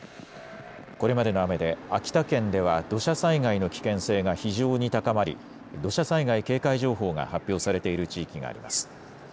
これまでの雨で、秋田県では土砂災害の危険性が非常に高まり、土砂災害警戒情報が発表されている地域があります。